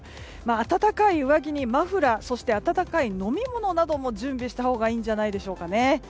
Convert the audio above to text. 暖かい上着にマフラーそして温かい飲み物なども準備したほうがいいんじゃないでしょうかね。